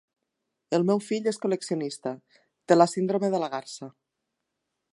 El meu fill és col·leccionista: té la síndrome de la garsa.